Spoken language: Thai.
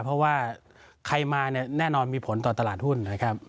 เพราะว่าใครมาเนี่ยแน่นอนมีผลต่อตลาดหุ้นนะครับ